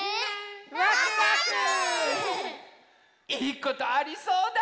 いいことありそうだ！